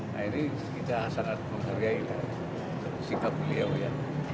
nah ini kita sangat menghargai sikap beliau ya